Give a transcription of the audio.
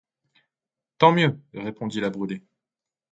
Tant mieux! répondit la Brûlé.